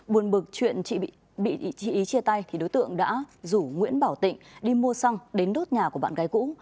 buồn bực chuyện chị ý chia tay đối tượng đã rủ nguyễn bảo tịnh đi mua xăng đến đốt nhà của bạn gái cũ